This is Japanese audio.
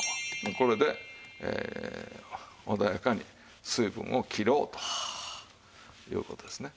これで穏やかに水分を切ろうという事ですね。